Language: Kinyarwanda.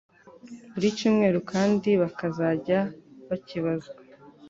buri cyumweru kandi bakazajya bakibazwa